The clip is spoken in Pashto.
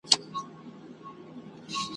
ما مي یوسف ته د خوبونو کیسه وژړله `